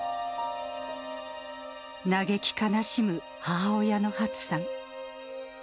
嘆き悲しむ母親のはつさん。